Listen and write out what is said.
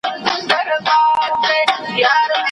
نن به د فرنګ د میراث خور په کور کي ساندي وي